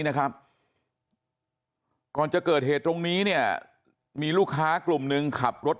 นะครับก่อนจะเกิดเหตุตรงนี้เนี่ยมีลูกค้ากลุ่มหนึ่งขับรถ